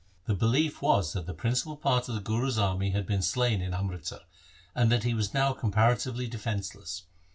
The belief was that the principal part of the Guru's army had been slain at Amritsar, and that he was now compara tively defenceless.